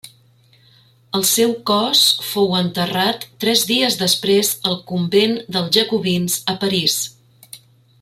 El seu cos fou enterrat tres dies després al convent dels Jacobins a París.